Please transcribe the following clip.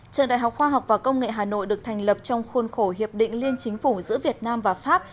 trường đại học khoa học và công nghệ hà nội được thành lập trong khuôn khổ hiệp định liên chính phủ giữa việt nam và pháp